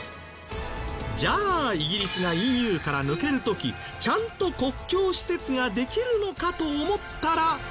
じゃあイギリスがＥＵから抜ける時ちゃんと国境施設ができるのかと思ったら。